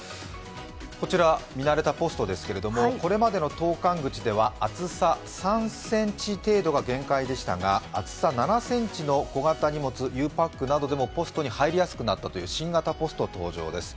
こちら、見慣れたポストですが、これまでの投かん口では厚さ３ｃｍ程度が限界でしたが厚さ７ｃｍの小型荷物、ゆうパックなどでも、ポストに入りやすくなったという新型ポスト登場です。